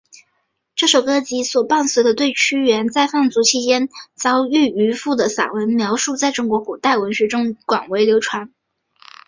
这首歌及所伴随的对屈原在放逐期间遭遇渔父的散文描述在中国古典文学中广为流传。